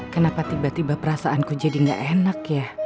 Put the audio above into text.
kenapa tiba tiba perasaanku jadi gak enak ya